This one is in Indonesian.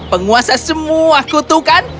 penguasa semua kutukan